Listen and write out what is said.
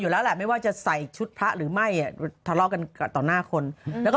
แล้วแหละไม่ว่าจะใส่ชุดพระหรือไม่ทะเลาะกันกับต่อหน้าคนแล้วก็